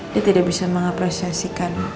dia tidak bisa mengapresiasikan